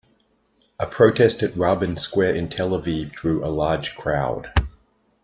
A protest at Rabin Square in Tel Aviv drew a large crowd.